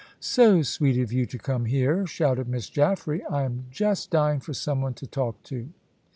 "So sweet of you to come here," shouted Miss Jaffray. "I am just dying for some one to talk to."